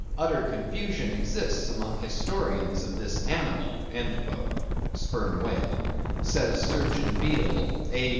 Utter confusion exists among the historians of this animal" (sperm whale), says Surgeon Beale, A.